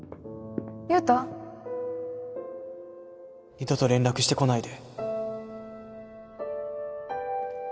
二度と連絡してこないで